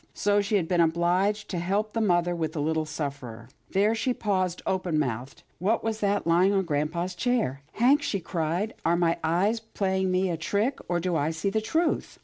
So she had been obliged to help the mother with the little sufferer. There she paused open mouthed. What was that lying on grampa's chair? " Hank !" she cried, " are my eyes playing me a trick, or do I see the truth?